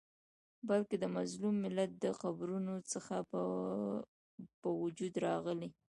بلکي د مظلوم ملت د قبرونو څخه په وجود راغلی